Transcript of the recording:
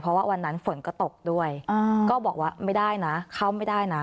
เพราะว่าวันนั้นฝนก็ตกด้วยก็บอกว่าไม่ได้นะเข้าไม่ได้นะ